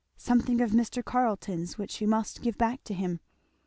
something of Mr. Carleton's which she must give back to him.